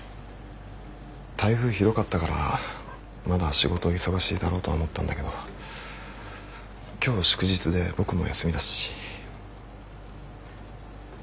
台風ひどかったからまだ仕事忙しいだろうとは思ったんだけど今日祝日で僕も休みだし。